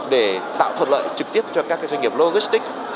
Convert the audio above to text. để tạo thuận lợi trực tiếp cho các doanh nghiệp logistics